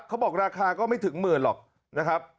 เขาบอกราคาก็ไม่ถึงหมื่นหรอกนะครับ